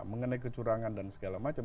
mengenai kecurangan dan segala macam